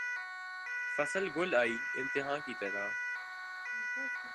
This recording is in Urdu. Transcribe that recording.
فصل گل آئی امتحاں کی طرح